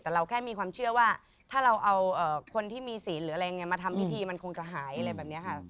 แต่เราแค่มีความเชื่อว่าถ้าเราเอาคนที่มีศีลหรืออะไรอย่างนี้มาทำพิธีมันคงจะหายอะไรแบบนี้ค่ะ